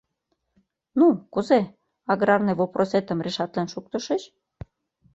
— Ну, кузе, аграрный вопросетым решатлен шуктышыч?